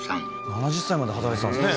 ７０歳まで働いてたんですね